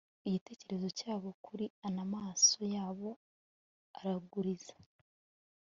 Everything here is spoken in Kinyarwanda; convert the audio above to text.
Igitekerezo cyabo kuri anon amaso yabo araguriza